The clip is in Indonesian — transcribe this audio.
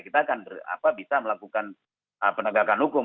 kita akan bisa melakukan penegakan hukum